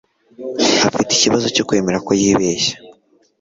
afite ikibazo cyo kwemera ko yibeshye